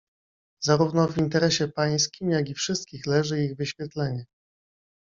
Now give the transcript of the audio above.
"Zarówno w interesie pańskim, jak i wszystkich leży ich wyświetlenie."